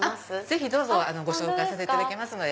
ぜひどうぞご紹介させていただきます。